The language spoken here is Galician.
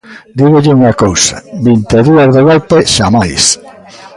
Dígolle unha cousa: vinte e dúas de golpe, xamais.